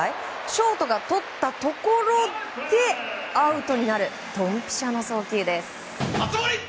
ショートがとったところでアウトになるドンピシャの送球です。